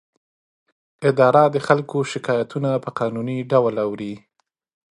اداره د خلکو شکایتونه په قانوني ډول اوري.